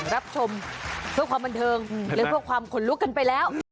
รับชมเพื่อความบันเทิงและเพื่อความขนลุกกันไปแล้ว